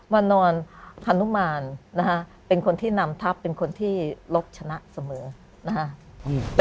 มานอนฮานุมานนะฮะเป็นคนที่นำทัพเป็นคนที่ลบชนะเสมอนะฮะ